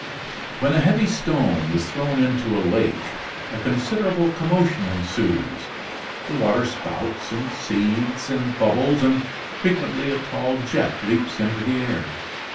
XVIII When a heavy stone is thrown into a lake a considerable commotion ensues, the water spouts and seethes and bubbles and frequently a tall jet leaps into the air.